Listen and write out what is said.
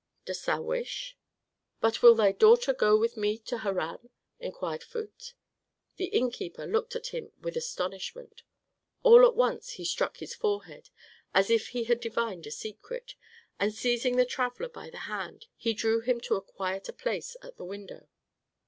Dost thou wish?" "But will thy daughter go with me to Harran?" inquired Phut. The innkeeper looked at him with astonishment. All at once he struck his forehead, as if he had divined a secret, and seizing the traveller by the hand, he drew him to a quieter place at the window.